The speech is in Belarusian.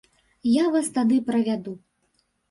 Я вас тады правяду.